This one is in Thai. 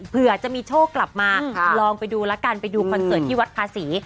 เผื่อจะมีโชคกลับมาลองไปดูแล้วกันไปดูคอนเสิร์ตที่วัดภาษี